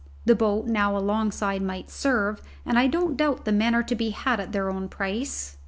The boat now alongside might serve, and I don't doubt the men are to be had at their own price."